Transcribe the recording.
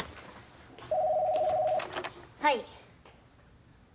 はい。